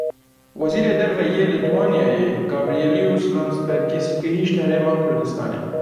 Wezîrê Derve yê Lîtwanyayê Gabrielius Landsbergis gihîşt Herêma Kurdistanê.